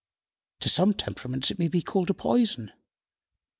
To some temperaments it may be called a poison.